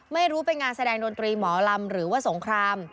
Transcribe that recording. ไม่รู้เป็นงานแสดงดนตรีหมอลำหรือว่าสงคราม